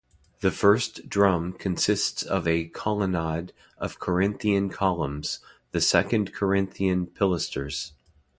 The first drum consists of a colonnade of Corinthian columns; the second, Corinthian pilasters.